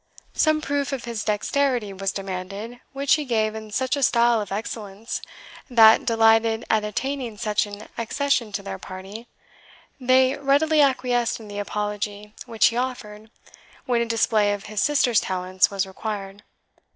Some proof of his dexterity was demanded, which he gave in such a style of excellence, that, delighted at obtaining such an accession to their party, they readily acquiesced in the apology which he offered when a display of his sister's talents was required.